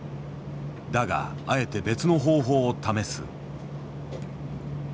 だがあえて別の方法を試す。